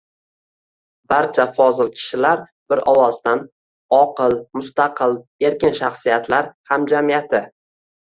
barcha fozil kishilar bir ovozdan «oqil, mustaqil, erkin shaxsiyatlar hamjamiyati»